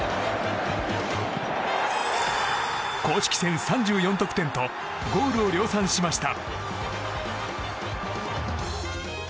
公式戦３４得点とゴールを量産しました。